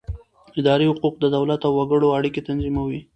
اداري حقوق د دولت او وګړو اړیکې تنظیموي.